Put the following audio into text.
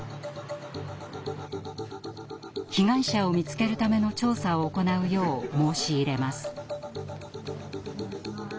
被害者を見つけるための調査を行うよう申し入れます。